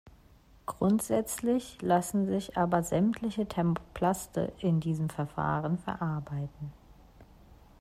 Grundsätzlich lassen sich aber sämtliche Thermoplaste in diesem Verfahren verarbeiten.